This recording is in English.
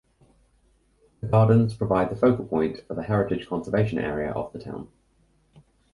The gardens provide the focal point for the heritage conservation area of the town.